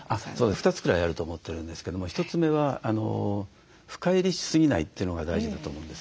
２つくらいあると思ってるんですけども１つ目は深入りしすぎないというのが大事だと思うんです。